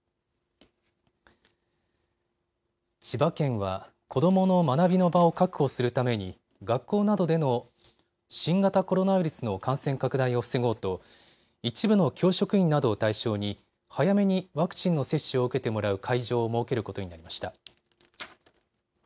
千葉県は子どもの学びの場を確保するために学校などでの新型コロナウイルスの感染拡大を防ごうと一部の教職員などを対象に早めにワクチンの接種を受けてもらう会場を設けることになりました。